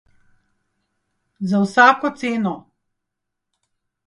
Za vsako ceno.